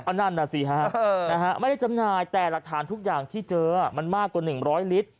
นั่นน่ะสิฮะไม่ได้จำหน่ายแต่หลักฐานทุกอย่างที่เจอมันมากกว่า๑๐๐ลิตร